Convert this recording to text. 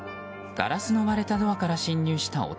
ガラスの割れたドアから侵入した男。